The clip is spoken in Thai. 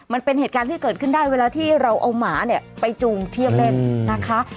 มันเป็นเหตุการณ์ที่เกิดขึ้นได้เวลาที่เราเอาหมาเนี่ยไปจูงเที่ยวเล่นนะคะ